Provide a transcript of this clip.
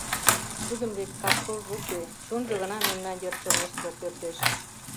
Тудын вет кап-кылже уке, чонжо гына мемнан йыр чоҥештыл пӧрдеш.